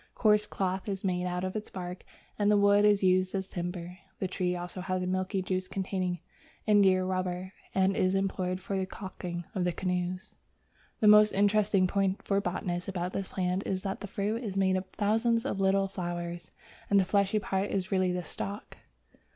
Coarse cloth is made of its bark, and the wood is used as timber. The tree also has a milky juice containing indiarubber, and is employed for caulking the canoes. The most interesting point for botanists about this plant is that the fruit is made up of thousands of little flowers, and the fleshy part is really the stalk.